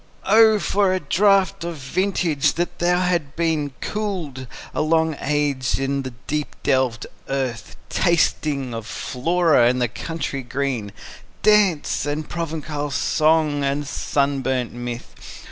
O for a draught of vintage, that hath been Cooled a long age in the deep delved earth, Tasting of Flora and the country green, Dance, and Provençal song, and sunburnt mirth!